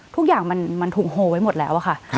ทุกอย่างมันถูกโฮไว้หมดแล้วอะค่ะ